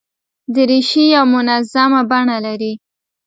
دریشي یو منظمه بڼه لري.